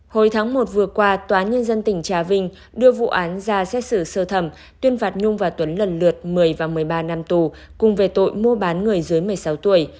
hồi tháng một vừa qua tòa nhân dân tỉnh trà vinh đưa vụ án ra xét xử sơ thẩm tuyên phạt nhung và tuấn lần lượt một mươi và một mươi ba năm tù cùng về tội mua bán người dưới một mươi sáu tuổi